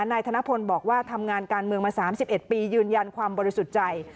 นายธนพลบอกว่าทำงานการเมืองมา๓๑ปียืนยันความบริสุทธิ์ใจ